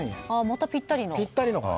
またぴったりの。